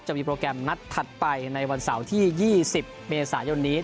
โปรแกรมนัดถัดไปในวันเสาร์ที่๒๐เมษายนนี้